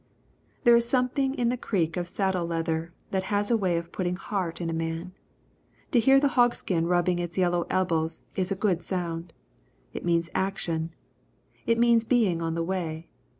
There is something in the creak of saddle leather that has a way of putting heart in a man. To hear the hogskin rubbing its yellow elbows is a good sound. It means action. It means being on the way.